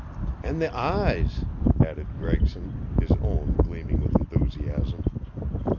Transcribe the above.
"And the eyes!" added Gregson, his own gleaming with enthusiasm.